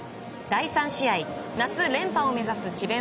第３試合夏連覇を目指す智弁